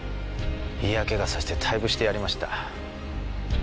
嫌気がさして退部してやりました。